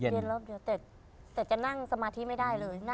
เย็นแต่จะนั่งสมาธิไม่ได้เลย